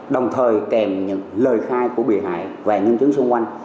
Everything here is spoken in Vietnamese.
đồng thời kèm những lời khai của bị hại và nhân chứng xung quanh